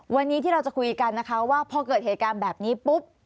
วันนี้ที่เราจะคุยกันนะคะว่าพอเกิดเหตุการณ์แบบนี้ปุ๊บ